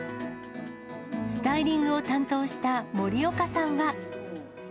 スタイリングを担当した森岡さんは。